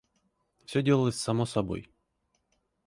Всё делалось само собой.